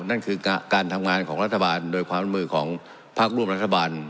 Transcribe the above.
นั่นคือการทำงานของรัฐบาลโดยความร่วมมือของพักร่วมรัฐบาล